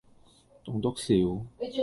棟篤笑